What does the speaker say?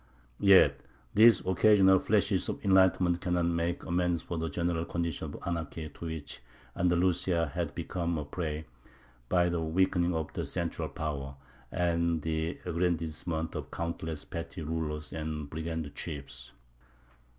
Yet these occasional flashes of enlightenment cannot make amends for the general condition of anarchy to which Andalusia had become a prey, by the weakening of the central power, and the aggrandisement of countless petty rulers and brigand chiefs.